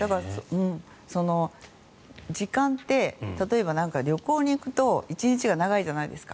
時間って例えば旅行に行くと１日が長いじゃないですか。